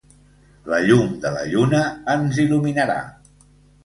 La llum de la lluna ens il·luminarà.